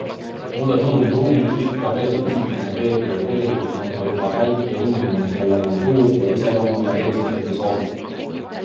Mulle tundub Rumi ikka veel pisikene beebi, aga tegelikult on ta juba väike inimene, kellel on tujud ja iseloom ja eelistused ja soovid.